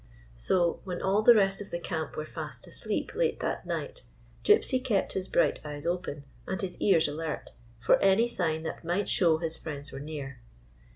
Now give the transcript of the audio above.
So, when all the rest of the camp were fast asleep, late that night, Gypsy kept his bright eyes open, and his ears alert, for any sign that might show his friends were near.